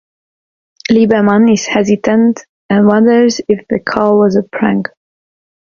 Liebermann is hesitant and wonders if the call was a prank.